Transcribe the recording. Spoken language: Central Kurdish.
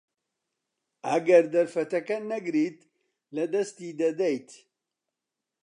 ئەگەر دەرفەتەکە نەگریت، لەدەستی دەدەیت.